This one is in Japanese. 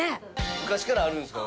昔からあるんですか？